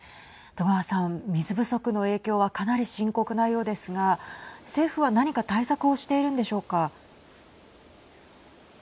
戸川さん、水不足の影響はかなり深刻なようですが政府は何か対策をしているんでしょうか。